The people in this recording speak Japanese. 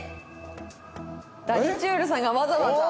ダリちゅーるさんがわざわざ。